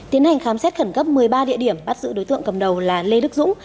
tiến hành khám xét khẩn cấp một mươi ba địa điểm bắt giữ đối tượng cầm đầu là lê đức dũng